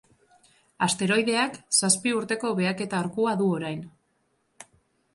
Asteroideak zazpi urteko behaketa arkua du orain.